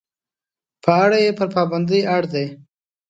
په اړه یې پر پابندۍ اړ دي.